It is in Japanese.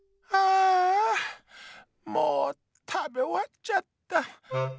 ああもうたべおわっちゃった。